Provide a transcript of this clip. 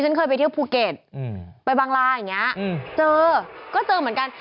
ดิฉันเคยไปเที่ยวภูเกตอืมไปบางราอย่างเงี้ยอืมเจอก็เจอเหมือนกัน